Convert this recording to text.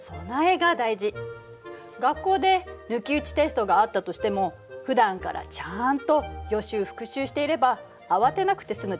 学校で抜き打ちテストがあったとしてもふだんからちゃんと予習復習していれば慌てなくて済むでしょ？